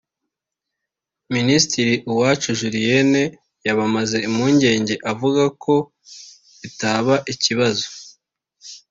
Minisitiri Uwacu Julienne yabamaze impungenge avuga ko bitaba ikibazo